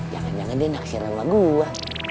jangan jangan dia naksir sama gue